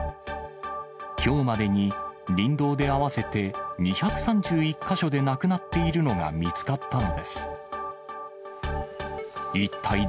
きょうまでに、林道で合わせて２３１か所でなくなっているのが見つかったのです。